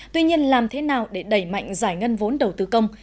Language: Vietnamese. tuy nhiên làm thế nào để đẩy mạnh giải ngân vốn đầu tư công